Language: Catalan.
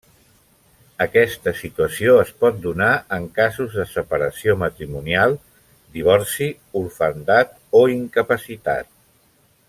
Aquesta situació es pot donar en casos de separació matrimonial, divorci, orfandat o incapacitat.